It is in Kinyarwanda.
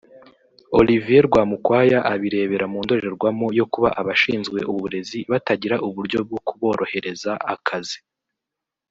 Olivier Rwamukwaya abirebera mu ndorerwamo yo kuba abashinzwe uburezi batagira uburyo bwo kuborohereza akazi